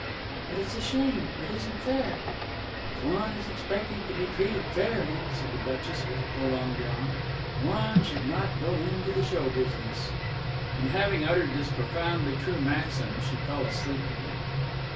"But it's a shame! It isn't fair!" "If one is expecting to be treated fairly," said the Duchess with a prolonged yawn, "one should not go into the show business." And, having uttered this profoundly true maxim, she fell asleep again.